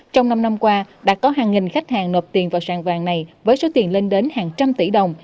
trong năm năm qua đã có hàng nghìn khách hàng nộp tiền vào sàn vàng này với số tiền lên đến hàng trăm tỷ đồng